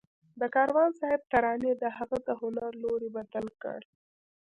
د کاروان صاحب ترانې د هغه د هنر لوری بدل کړ